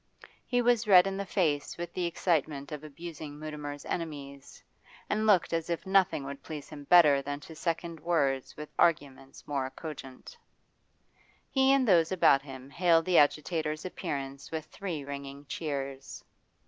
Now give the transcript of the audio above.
He was red in the face with the excitement of abusing Mutimer's enemies, and looked as if nothing would please him better than to second words with arguments more cogent. He and those about him hailed the agitator's appearance with three ringing cheers.